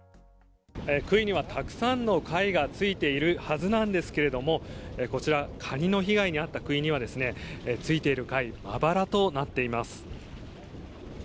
杭にはたくさんの貝がついているはずなんですけれどもカニの被害に遭った杭にはついている貝まばらとなっています。